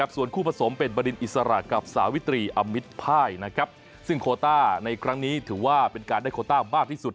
ส่วนคู่ผสมเป็นบดินอิสระกับสาวิตรีอมิตภายซึ่งโคต้าในครั้งนี้ถือว่าเป็นการได้โคต้ามากที่สุด